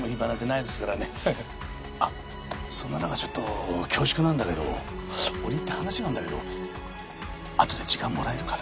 あっそんな中ちょっと恐縮なんだけど折り入って話があるんだけどあとで時間もらえるかな？